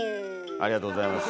ありがとうございます。